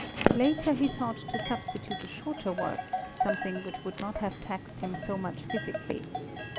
Later he thought to substitute a shorter work, something which would not have taxed him so much physically.